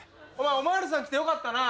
お巡りさん来てよかったな。